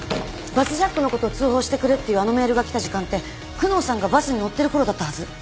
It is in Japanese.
バスジャックのことを通報してくれっていうあのメールが来た時間って久能さんがバスに乗ってるころだったはず。